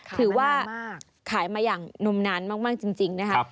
ถือว่าขายมาอย่างนมนานมากจริงนะครับ